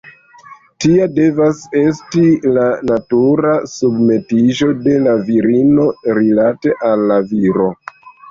Tia devas esti la natura submetiĝo de la virino rilate al la viro.